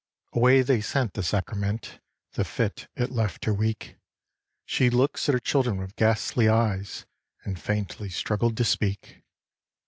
Away they sent the sacrament, The fit it left her weak, She look's at her children with ghastly eyes, And faintly struggled to speak.